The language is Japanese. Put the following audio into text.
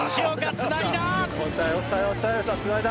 つないだ。